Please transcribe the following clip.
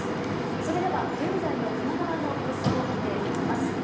それでは、現在の球磨川の様子を見ていきます。